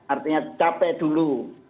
artinya capek dulu